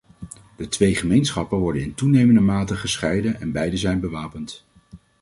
De twee gemeenschappen worden in toenemende mate gescheiden - en beide zijn bewapend.